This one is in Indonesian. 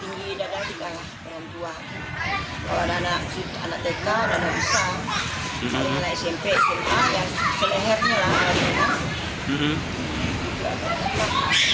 yang selehernya ada